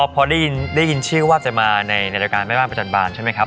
พอได้ยินชื่อว่าจะมาในรายการแม่บ้านประจำบานใช่ไหมครับ